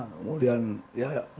kemudian ya ya